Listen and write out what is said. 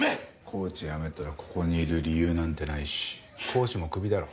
コーチ辞めたらここにいる理由なんてないし講師もクビだろ。